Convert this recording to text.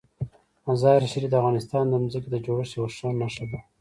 مزارشریف د افغانستان د ځمکې د جوړښت یوه ښه نښه ده.